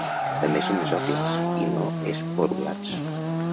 També són mesòfils i no esporulats.